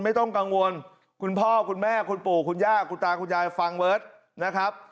ไม่ต้องกังวลคุณพ่อคุณแม่คุณปู่คุณย่าคุณตาคุณยายฟังเบิร์ตนะครับ